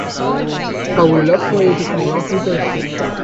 I would love for you to come rock with us.